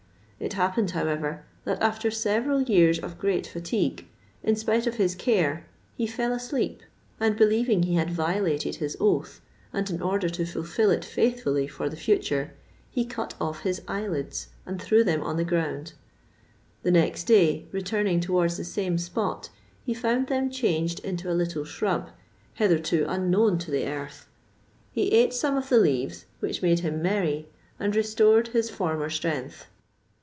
It happened, however, that after several years of great fatigue, in spite of his care he fell asleep; and believing he had violated his oath, and in order to fulfil it faithfully for the future, he cut off his eyelids and threw them on the ground. The next day, returning towards the same spot, he found them changed into a little shrub, hitherto unknown to the earth. He eat some of the leaves, which made him merry and restored his former strength.